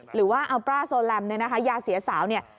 หรือว่าอัลปราโซแลมยาเสียสาว